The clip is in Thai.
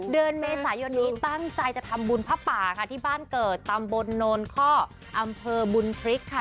เดือนเมษายนนี้ตั้งใจจะทำบุญพระป่าค่ะที่บ้านเกิดตำบลโนนข้ออำเภอบุญพริกค่ะ